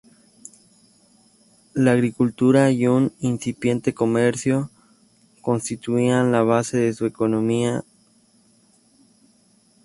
La agricultura y un incipiente comercio constituían la base de su economía.